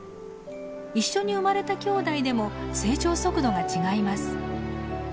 一緒に生まれたきょうだいでも成長速度が違います。